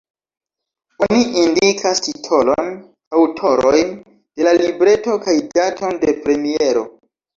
Oni indikas titolon, aŭtorojn de la libreto kaj daton de premiero.